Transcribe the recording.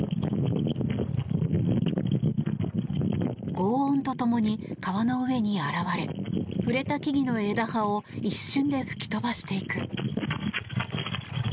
ごう音とともに川の上に現れ触れた木々の枝葉を一瞬で吹き飛ばしていく。